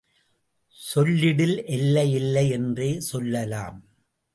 சொல்லிடில் எல்லை இல்லை என்றே சொல்லலாம்.